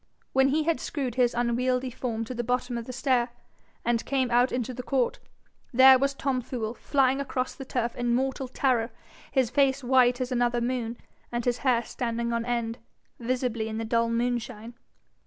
When he had screwed his unwieldy form to the bottom of the stair, and came out into the court, there was Tom Fool flying across the turf in mortal terror, his face white as another moon, and his hair standing on end visibly in the dull moonshine.